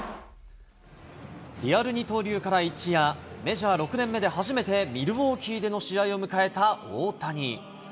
リアル二刀流から一夜、メジャー６年目で初めてミルウォーキーでの試合を迎えた大谷。